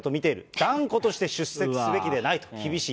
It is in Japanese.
断固として出席すべきでないと、厳しい。